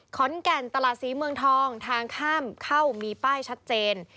ขอนแก่นตลาดศรีเมืองทองทางข้ามเข้ามีป้ายชัดเจน